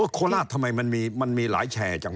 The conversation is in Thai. โคราชทำไมมันมีหลายแชร์จัง